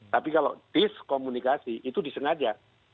tapi kalau diskomunikasi itu disengaja